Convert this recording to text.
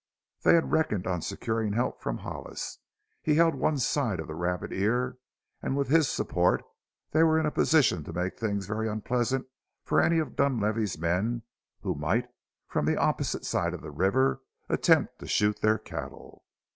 They had reckoned on securing help from Hollis; he held one side of the Rabbit Ear and with his support they were in a position to make things very unpleasant for any of Dunlavey's men who might, from the opposite side of the river, attempt to shoot their cattle.